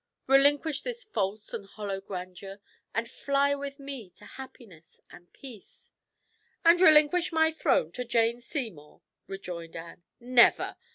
Relinquish this false and hollow grandeur, and fly with me to happiness and peace." "And relinquish my throne to Jane Seymour?" rejoined Anne "Never!